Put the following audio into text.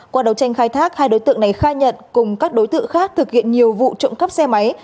qua đầu tranh khai thác hai đối tượng này khai nhận cùng các đối tượng khác thực hiện nhiều vụ trộm cắp xe máy